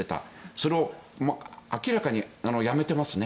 それを明らかにやめてますね。